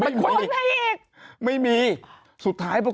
จริงอยู่ในปีพศที่ทุกคนอยากหา